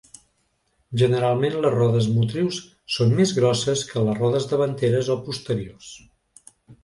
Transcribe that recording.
Generalment les rodes motrius són més grosses que les rodes davanteres o posteriors.